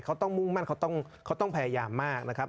เขาต้องมุ่งมั่นเขาต้องพยายามมากนะครับ